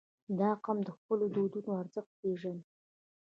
• دا قوم د خپلو دودونو ارزښت پېژني.